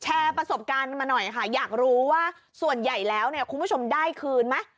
แชร์ประสบการณ์มาหน่อยค่ะอยากรู้ว่าส่วนใหญ่แล้วเนี่ยคุณผู้ชมได้คืนไหม